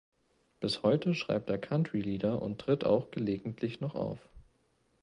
Bis heute schreibt er Country-Lieder und tritt auch gelegentlich noch auf.